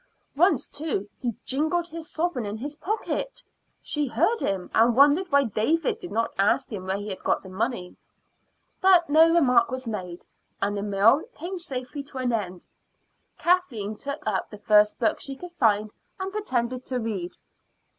Once, too, he jingled the sovereign in his pocket; she heard him, and wondered why David did not ask him where he had got the money. But no remark was made, and the meal came safely to an end. Kathleen took up the first book she could find and pretended to read.